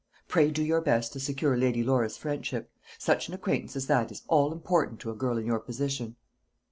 Pray do your best to secure Lady Laura's friendship. Such an acquaintance as that is all important to a girl in your position."